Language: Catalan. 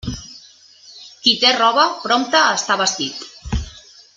Qui té roba, prompte està vestit.